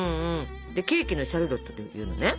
ケーキの「シャルロット」っていうのはね